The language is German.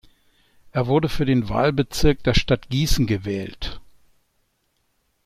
Er wurde für den Wahlbezirk der Stadt Gießen gewählt.